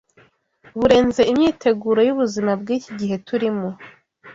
Burenze imyiteguro y’ubuzima bw’iki gihe turimo